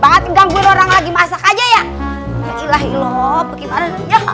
banget ganggu orang lagi masak aja ya ilahi loh bagaimana